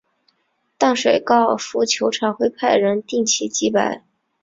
淡水高尔夫球场会派人定期祭拜。